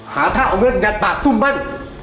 หาท่าเอาเงินกัดปากซุ่มมัน